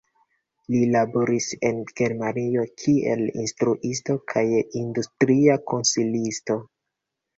Li laboris en Germanio kiel instruisto kaj industria konsilisto.